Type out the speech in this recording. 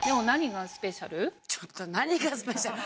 ちょっと「何がスペシャル？」。